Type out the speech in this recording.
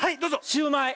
シューマイ！